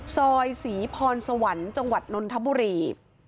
ซอยศรีพรสวรรค์จังหวัดนนทบุรี